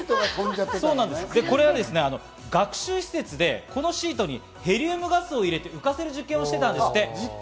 これは学習施設でこのシートにヘリウムガスを入れて浮かせる実験をしてたんですって。